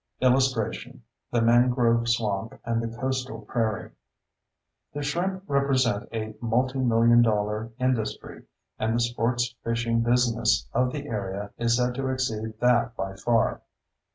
[Illustration: THE MANGROVE SWAMP AND THE COASTAL PRAIRIE] The shrimp represent a multi million dollar industry, and the sports fishing business of the area is said to exceed that by far.